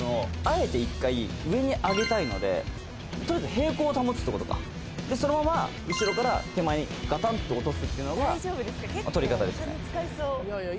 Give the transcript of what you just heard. あえて一回上にあげたいのでとりあえず平行を保つってことかそのまま後ろから手前にガタンと落とすっていうのが取り方ですね